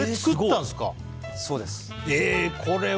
そうです。